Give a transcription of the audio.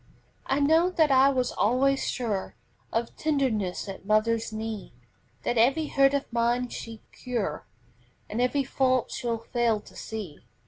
I know that I was always sure Of tenderness at mother's knee, That every hurt of mine she'd cure, And every fault she'd fail to see.